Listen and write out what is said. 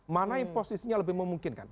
mana yang posisinya lebih memungkinkan